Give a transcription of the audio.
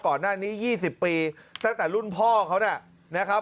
ก่อนหน้านี้๒๐ปีตั้งแต่รุ่นพ่อเขานะครับ